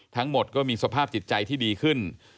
ทั้งหมดก็มีสภาพจิตใจที่ดีขึ้น